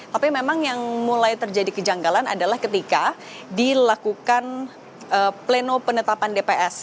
tapi memang yang mulai terjadi kejanggalan adalah ketika dilakukan pleno penetapan dps